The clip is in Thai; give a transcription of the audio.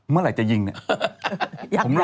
เมื่อไหร่จะยิงเนี่ย